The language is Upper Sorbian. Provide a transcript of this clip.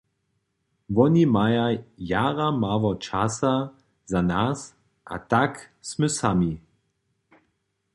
Woni maja jara mało časa za nas a tak smy sami.